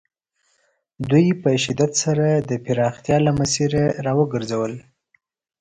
دوی په شدت سره د پراختیا له مسیره را وګرځول.